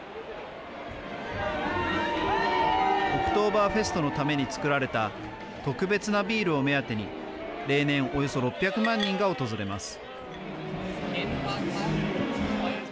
オクトーバーフェストのために造られた特別なビールを目当てに例年およそ６００万人が訪れます。